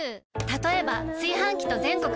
たとえば炊飯器と全国